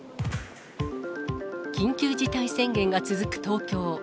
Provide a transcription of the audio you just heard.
緊急事態宣言が続く東京。